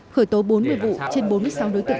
khởi tố bốn mươi vụ trên bốn sáu trăm linh đối tượng